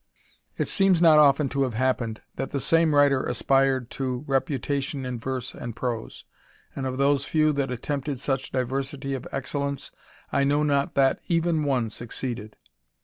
It seems not often to have happened that the same writer aspired to reputation in verse and prose ; and of those few that attempted such diversity of excellence, I know not that even one succeeded.